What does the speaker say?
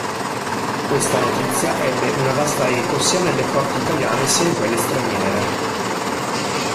Questa notizia ebbe una vasta eco sia nelle corti italiane sia in quelle straniere.